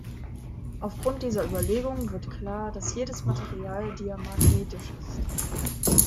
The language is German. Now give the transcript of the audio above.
Aufgrund dieser Überlegungen wird klar, dass jedes Material diamagnetisch ist.